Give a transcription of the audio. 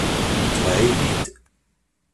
Tbeɛ-iyi-d.